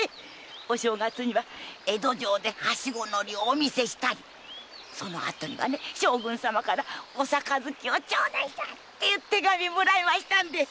お正月には江戸城で梯子乗りをお見せしたりそのあとには将軍様からお杯を頂戴したって手紙をもらいましたんで！